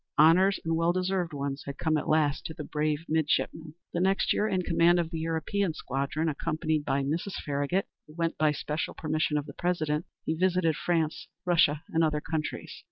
Honors, and well deserved ones, had come at last to the brave midshipman. The next year, in command of the European squadron, accompanied by Mrs. Farragut, who went by special permission of the President, he visited France, Russia, and other countries.